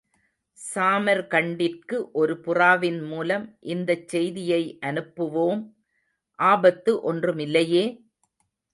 சாமர்கண்டிற்கு, ஒரு புறாவின் மூலம் இந்தச் செய்தியை அனுப்புவோம். ஆபத்து ஒன்றுமில்லையே!